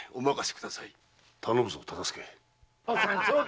頼むぞ忠相。